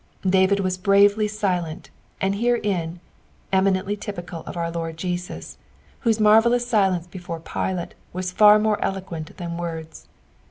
Daiid was bravelf silent, and herein was eminently typical of our Lord Jesus, wbute marvellous silence before Pilate was far more eloquent than words.